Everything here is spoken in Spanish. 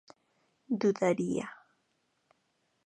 dudaría